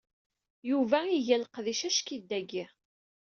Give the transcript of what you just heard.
Yuba iga leqdic ack-it dagi.